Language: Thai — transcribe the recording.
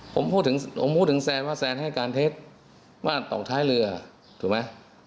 ผมพูดถึงผมพูดถึงแซนว่าแซนให้การเท็จว่าตกท้ายเรือถูกไหม